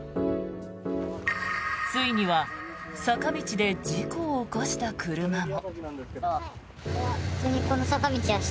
ついには坂道で事故を起こした車も。